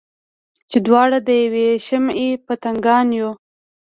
چې دواړه د یوې شمعې پتنګان یو.